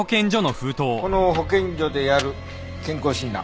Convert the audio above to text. この保健所でやる健康診断。